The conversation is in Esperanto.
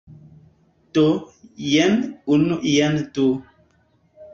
Do, jen unu jen du